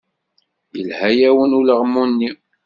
Yelha-yawen ulaɣmu-nni.